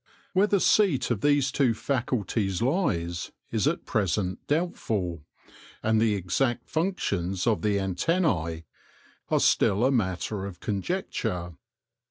Where the seat of these two faculties lies is at present doubtful, and the exact functions of the antennae are still a matter of con jecture.